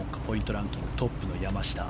ランキングトップの山下。